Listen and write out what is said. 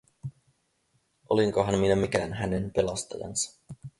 Olinkohan minä mikään hänen pelastajansa?